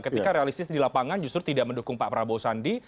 ketika realistis di lapangan justru tidak mendukung pak prabowo sandi